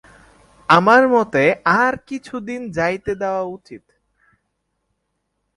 আমার মতে আর কিছুদিন যাইতে দেওয়া উচিত।